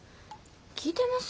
聞いてます？